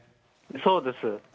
そうです。